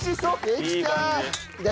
できた！